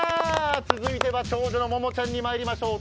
続いては長女のももちゃんにまいりましょう。